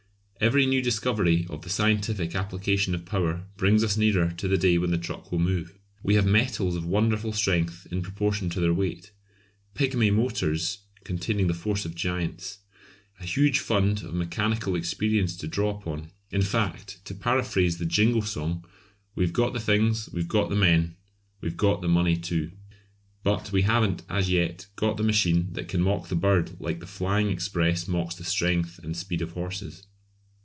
Every new discovery of the scientific application of power brings us nearer to the day when the truck will move. We have metals of wonderful strength in proportion to their weight; pigmy motors containing the force of giants; a huge fund of mechanical experience to draw upon; in fact, to paraphrase the Jingo song, "We've got the things, we've got the men, we've got the money too" but we haven't as yet got the machine that can mock the bird like the flying express mocks the strength and speed of horses.